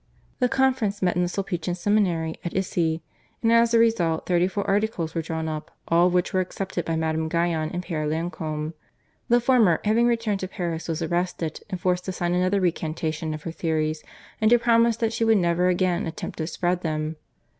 The conference met in the Sulpician seminary at Issy, and as a result thirty four articles were drawn up, all of which were accepted by Madame Guyon and Pere Lacombe. The former having returned to Paris was arrested, and forced to sign another recantation of her theories and to promise that she would never again attempt to spread them.